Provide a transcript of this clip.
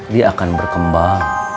dia akan berkembang